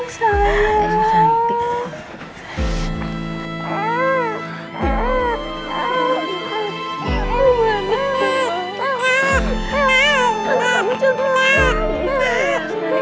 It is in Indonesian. selamat ya ibu